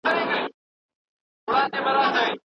همکاري کول د انسانیت نښه ده.